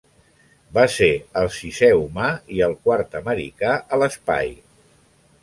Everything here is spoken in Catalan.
Va ser el sisè humà i el quart americà a l'espai.